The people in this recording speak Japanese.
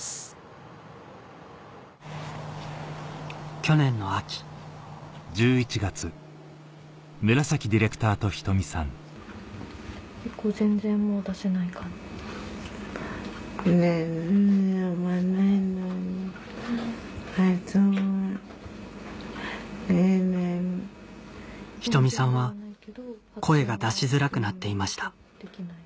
去年の秋仁美さんは声が出しづらくなっていました